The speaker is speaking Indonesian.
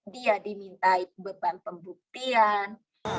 dia dimintai beban pembuktian